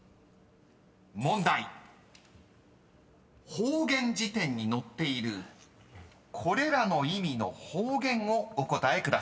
［方言辞典に載っているこれらの意味の方言をお答えください］